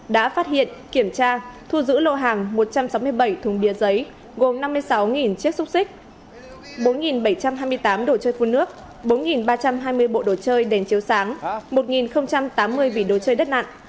đã phát hiện kiểm tra thu giữ lô hàng một trăm sáu mươi bảy thùng bia giấy gồm năm mươi sáu chiếc xúc xích bốn bảy trăm hai mươi tám đồ chơi phun nước bốn ba trăm hai mươi bộ đồ chơi đèn chiếu sáng một tám mươi vị đồ chơi đất nặng